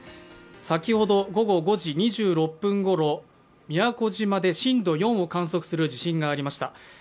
先ほど午後５時２６分ごろ、宮古島で震度４を観測する地震がありました。